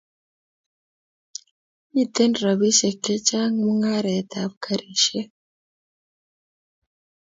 Miten rapishek che chang mungaret ab karishek